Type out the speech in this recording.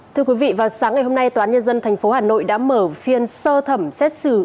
thưa quý vị vào sáng ngày hôm nay tòa án nhân dân tp hà nội đã mở phiên sơ thẩm xét xử